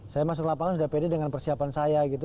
saya masuk lapangan sudah pede dengan persiapan saya gitu